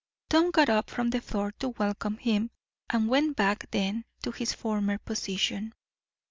Tom got up from the floor to welcome him, and went back then to his former position.